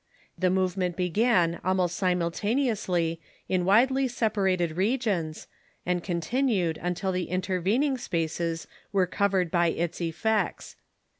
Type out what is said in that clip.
The movement began almost simultaneously in widely separated regions, and continued until the in ^^f ^aocT' tervening spaces were covered by its effects.